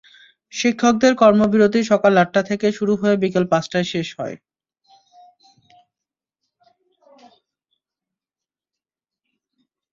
শিক্ষকদের কর্মবিরতি সকাল আটটা থেকে শুরু হয়ে বিকেল পাঁচটায় শেষ হয়।